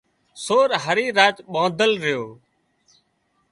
سور هارِي راچ ٻانڌل ريو